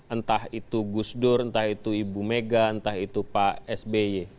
entah itu gus dur entah itu ibu mega entah itu pak sby